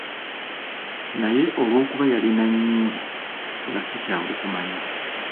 Naye olwokuba yalina nnyingi nga si kyangu kumanya.